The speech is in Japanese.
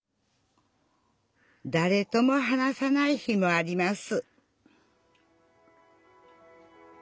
だれとも話さない日もあります